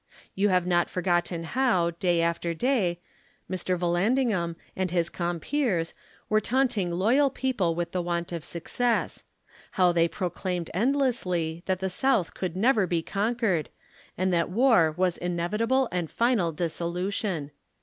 You have not forgotten how, day after day, Mr.Yallandig ham and his compeers, were taunting loyal people with the want of success ; how they proclaimed endlessly that the South could never be conquered, and that war was in evitable and final dissolution.